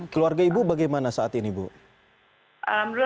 keluarga ibu bagaimana saat ini ibu